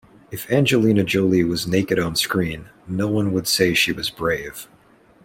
If Angelina Jolie was naked onscreen no one would say she was brave.